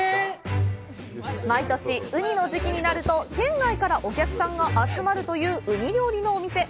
毎年、ウニの時期になると県外からお客さんが集まるというウニ料理のお店。